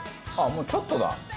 もうちょっとだ。